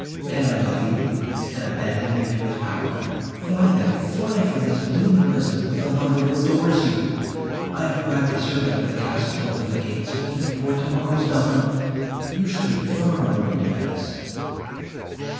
Can I love you, and abandon you to his power? Fly, then, fly from this gloomy prison, with a lover, who adores you! I have bribed a servant of the castle to open the gates, and, before tomorrow's dawn, you shall be far on the way to Venice."